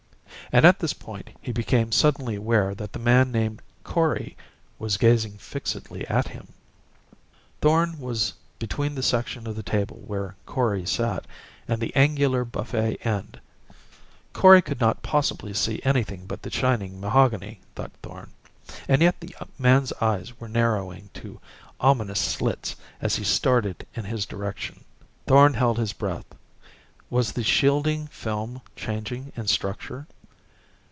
And at this point he became suddenly aware that the man named Kori was gazing fixedly at him. Thorn was between the section of the table where Kori sat, and the angular buffet end. Kori could not possibly see anything but the shining mahogany, thought Thorn. And yet the man's eyes were narrowing to ominous slits as he started in his direction. Thorn held his breath. Was the shielding film changing in structure?